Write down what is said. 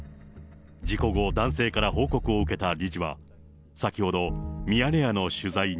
事故後、男性から報告を受けた理事は、先ほど、ミヤネ屋の取材に。